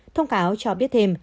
thông cáo cho biết thêm